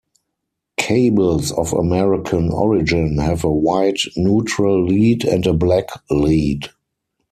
Cables of American origin have a white neutral lead and a black lead.